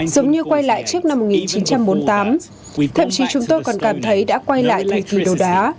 giống như quay lại trước năm một nghìn chín trăm bốn mươi tám thậm chí chúng tôi còn cảm thấy đã quay lại thời kỳ đầu đá